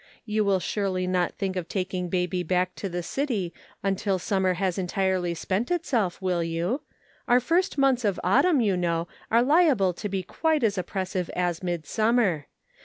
You will surely not think of taking baby back to the city until summer has entirely spent itself, will you ? Our first months of autumn, you know, are liable to be quite aa oppressive as midsummer.